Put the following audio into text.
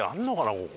ここ。